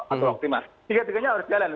atau optimal tiga m nya harus jalan